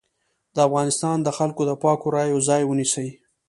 د افغانستان د خلکو د پاکو رايو ځای ونيسي.